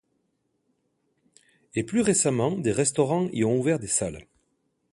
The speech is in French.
Et plus récemment, des restaurants y ont ouvert des salles.